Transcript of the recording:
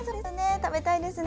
食べたいですね。